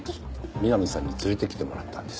みなみさんに連れてきてもらったんです。